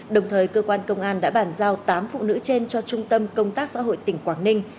đồng thời cơ quan công an đã bàn giao tám phụ nữ trên cho trung tâm công tác xã hội tỉnh quảng ninh